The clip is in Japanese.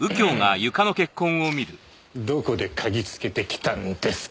どこで嗅ぎつけてきたんですか？